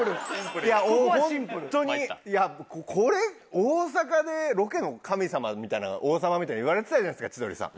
いやホントにこれ大阪でロケの神様みたいな王様みたいに言われてたじゃないですか千鳥さん。